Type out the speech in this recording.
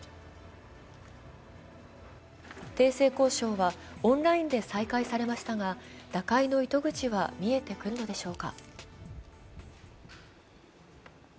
停戦交渉はオンラインで再開されましたが打開の糸口は見えてくるのでしょうか。